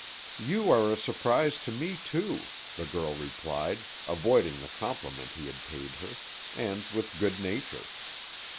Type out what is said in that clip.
"You are a surprise to me, too," the girl replied, avoiding the compliment he had paid her, and with good nature.